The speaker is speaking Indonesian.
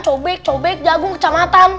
cobek cobek jagung kecamatan